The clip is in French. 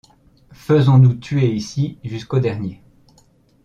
Faisons-nous tuer ici jusqu’au dernier.